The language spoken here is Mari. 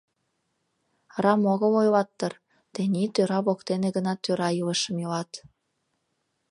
Арам огыл ойлат дыр: «Тений тӧра воктене гына тӧра илышым илат».